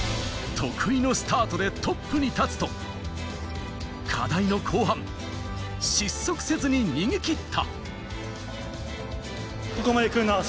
得意のスタートでトップに立つと、課題の後半、失速せずに逃げきった。